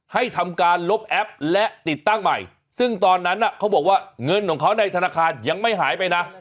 ให้ทำการลบแอปและติดตั้งใหม่ซึ่งตอนนั้นเขาบอกว่าเงินของเขาในธนาคารยังไม่หายไปนะ